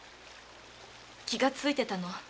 気がついてたの？